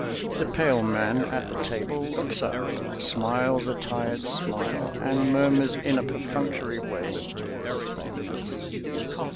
The pale man at the table looks up, smiles a tired smile and murmurs in a perfunctory way his thanks.